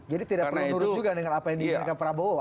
jadi tidak perlu menurut juga dengan apa yang diinginkan prabowo